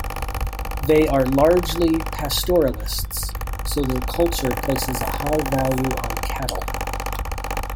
They are largely pastoralists, so their culture places a high value on cattle.